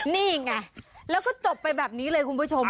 นี่ไงแล้วก็จบไปแบบนี้เลยคุณผู้ชม